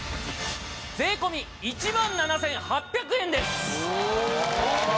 税込１万７８００円です。はあ！